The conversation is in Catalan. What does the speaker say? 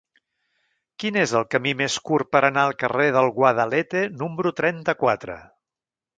Quin és el camí més curt per anar al carrer del Guadalete número trenta-quatre?